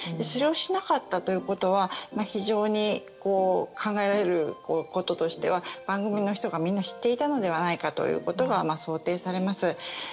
それをしなかったということは非常に考えられることとしては番組の人がみんな知っていたのではないかということが想定されます。